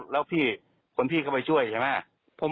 แล้วพี่คนพี่เข้าไปช่วยใช่ไหม